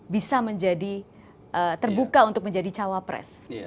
bisa menjadi terbuka untuk menjadi cawapres